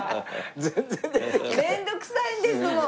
面倒くさいんですもん